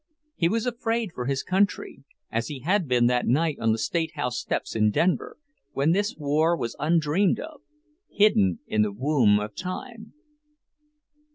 He was afraid for his country, as he had been that night on the State House steps in Denver, when this war was undreamed of, hidden in the womb of time.